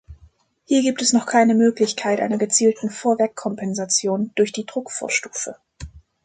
Hier gibt es noch keine Möglichkeit einer gezielten Vorweg-Kompensation durch die Druckvorstufe.